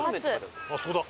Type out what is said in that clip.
あそこだ。